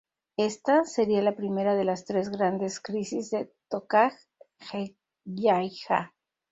Esta, sería la primera de las tres grandes crisis de Tokaj-Hegyalja.